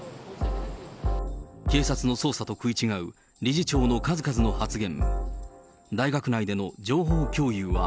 警察の捜査と食い違う理事長の数々の発言。